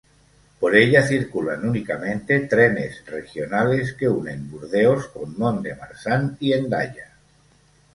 Por ella circulan únicamente trenes regionales que unen Burdeos con Mont-de-Marsan y Hendaya.